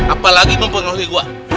apalagi mempengaruhi gue